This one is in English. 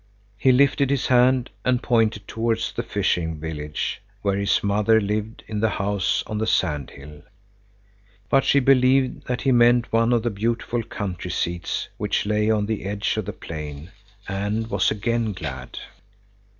He lifted his band and pointed towards the fishing village, where his mother lived in the house on the sand hill. But she believed that he meant one of the beautiful country seats which lay on the edge of the plain, and was again glad.